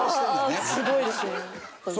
すごいですよね。